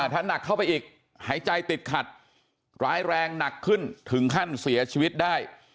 ถ้าหนักเข้าไปอีกหายใจติดขัดร้ายแรงหนักขึ้นถึงขั้นเสียชีวิตได้